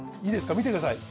見てください。